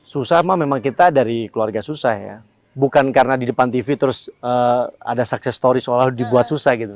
susah mah memang kita dari keluarga susah ya bukan karena di depan tv terus ada sukses story seolah olah dibuat susah gitu